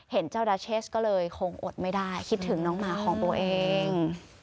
เห็นเจ้าดาเชสก็เลยคงอดไม่ได้คิดถึงน้องหมาของตัวเอง